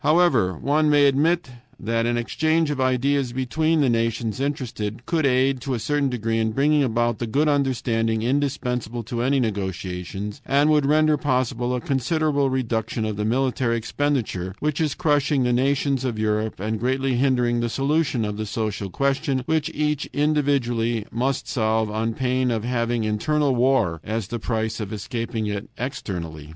"However, one may admit that an exchange of ideas between the nations interested could aid, to a certain degree, in bringing about the good understanding indispensable to any negotiations, and would render possible a considerable reduction of the military expenditure which is crushing the nations of Europe and greatly hindering the solution of the social question, which each individually must solve on pain of having internal war as the price for escaping it externally.